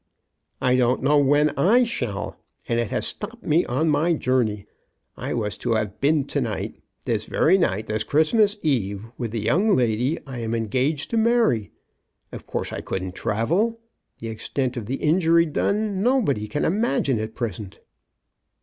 " I don't know when I shall. And it has stopped me on my journey. I was to have been to night, this very night, this Christmas eve, with the young lady I am engaged to marry. Of course I couldn't travel. The ex tent of the injury done nobody can imagine at present."